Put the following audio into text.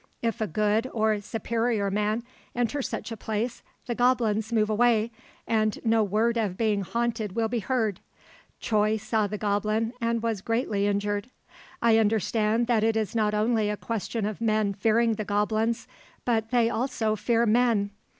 If a good or "superior man" enters such a place the goblins move away, and no word of being haunted will be heard. Choi saw the goblin and was greatly injured. I understand that it is not only a question of men fearing the goblins, but they also fear men.